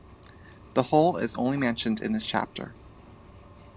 The hall is only mentioned in this chapter.